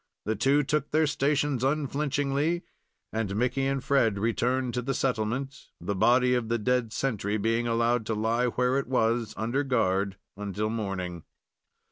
The two took their stations unflinchingly, and Mickey and Fred returned to the settlement, the body of the dead sentry being allowed to lie where it was, under guard, until morning.